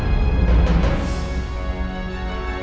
aku akan mencari dia